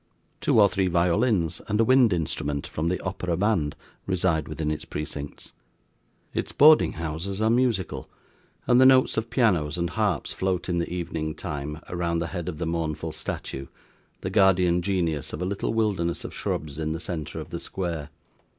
Two or three violins and a wind instrument from the Opera band reside within its precincts. Its boarding houses are musical, and the notes of pianos and harps float in the evening time round the head of the mournful statue, the guardian genius of a little wilderness of shrubs, in the centre of the square.